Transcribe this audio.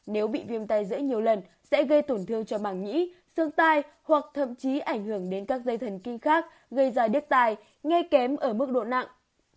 nếu bị viêm tay giữa nhiều lần sẽ gây tổn thương cho màng nhĩ xương tay hoặc thậm chí ảnh hưởng đến các dây thần kinh khác gây ra đứt tay ngay kém ở mức độ nặng